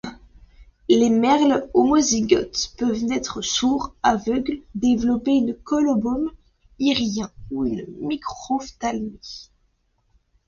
Les merles homozygotes peuvent naître sourds, aveugles, développer un colobome irien ou une microphtalmie.